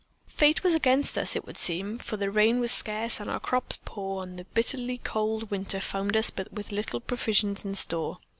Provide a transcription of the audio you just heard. "Fate was against us, it would seem, for the rain was scarce and our crops poor, and the bitterly cold winter found us with but little provisions in store.